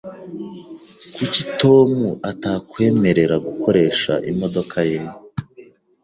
Kuki Tom atakwemerera gukoresha imodoka ye?